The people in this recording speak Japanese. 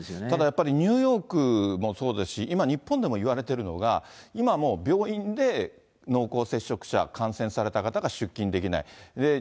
ただやっぱり、ニューヨークもそうですし、今、日本でも言われてるのが、今もう、病院で濃厚接触者、感染された方が出勤できない。